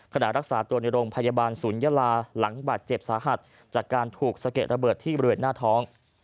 รักษาตัวในโรงพยาบาลศูนยาลาหลังบาดเจ็บสาหัสจากการถูกสะเก็ดระเบิดที่บริเวณหน้าท้อง